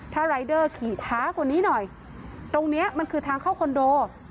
ถ้ารายเดอร์ขี่ช้ากว่านี้หน่อยตรงเนี้ยมันคือทางเข้าคอนโด